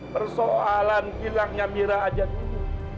persoalan hilangnya mira ajat ini